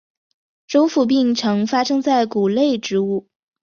轴腐病常发生在谷类植物。